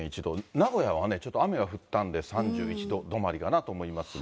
名古屋はちょっと雨が降ったんで３１度止まりかなと思いますが。